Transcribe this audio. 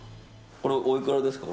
おいくらですか？